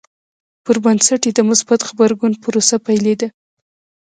پر بنسټ یې د مثبت غبرګون پروسه پیلېده.